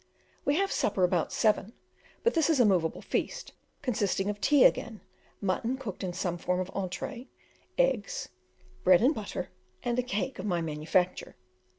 We have supper about seven; but this is a moveable feast, consisting of tea again, mutton cooked in some form of entree, eggs, bread and butter, and a cake of my manufacture.